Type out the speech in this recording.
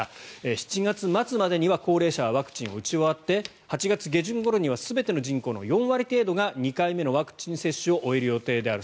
７月末までには高齢者はワクチンを打ち終わって８月下旬ごろには全ての人口の４割程度が２回目のワクチン接種を終える予定である。